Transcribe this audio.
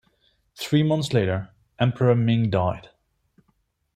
Three months later, Emperor Ming died.